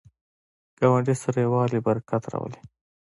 ګاونډي سره یووالی، برکت راولي